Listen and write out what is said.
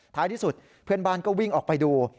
ท้ายที่สุดเพื่อนบ้านก็วิ่งออกไปดู